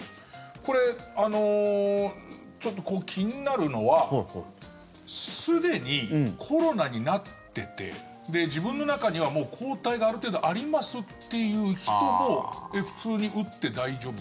これ、ちょっと気になるのはすでにコロナになってて自分の中には、もう抗体がある程度ありますっていう人も普通に打って大丈夫？